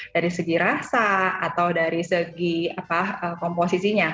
dari segi rasa atau dari segi komposisinya